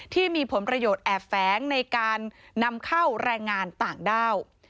ที่มีผลประโยชน์แอบแฟ้งในการนำเข้าแรงงานต่างด้าว